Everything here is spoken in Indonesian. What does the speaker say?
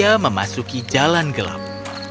anastasia memasuki jalan gelap